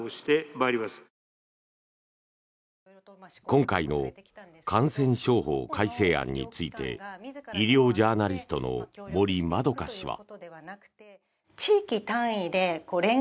今回の感染症法改正案について医療ジャーナリストの森まどか氏は。